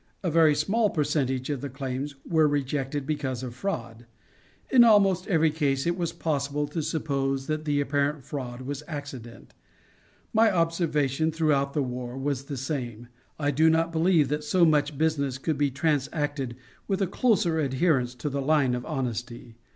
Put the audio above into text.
A very small percentage of the claims were rejected because of fraud. In almost every case it was possible to suppose that the apparent fraud was accident. My observation throughout the war was the same. I do not believe that so much business could be transacted with a closer adherence to the line of honesty.